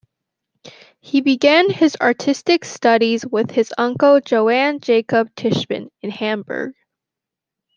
He began his artistic studies with his uncle, Johann Jacob Tischbein in Hamburg.